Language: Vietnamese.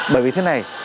bởi vì thế này